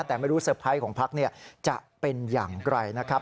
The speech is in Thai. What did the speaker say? แต่ไม่รู้เตอร์ไพรส์ของพักจะเป็นอย่างไรนะครับ